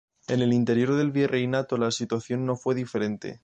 En el interior del virreinato la situación no fue diferente.